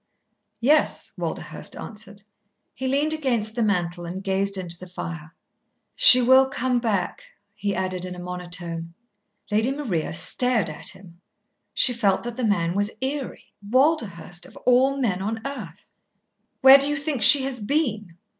"Yes," Walderhurst answered. He leaned against the mantel and gazed into the fire. "She will come back," he added in a monotone. Lady Maria stared at him. She felt that the man was eerie, Walderhurst, of all men on earth! "Where do you think she has been?"